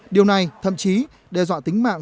điều này thậm chí đe dọa tính mạng